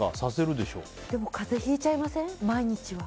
でも、風邪ひいちゃいません？